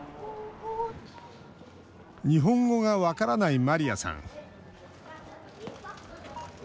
日本語が分からないマリアさん。